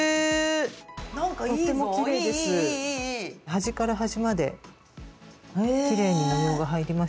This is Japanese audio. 端から端まできれいに模様が入りました。